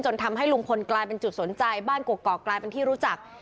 ทำให้ลุงพลกลายเป็นจุดสนใจบ้านกกอกกลายเป็นที่รู้จัก